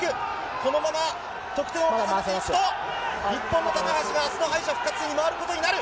このまま得点を重ねていくと、日本の高橋があすの敗者復活に回ることになる。